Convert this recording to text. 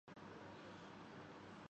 طاقتور حلقوں کے کام بھی آرہے تھے۔